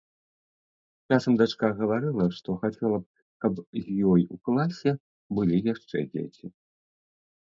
Часам дачка гаварыла, што хацела б, каб з ёй у класе былі яшчэ дзеці.